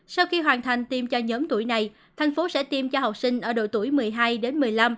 sau khi hoàn thành tiêm cho nhóm tuổi này thành phố sẽ tiêm cho học sinh ở độ tuổi một mươi hai đến một mươi năm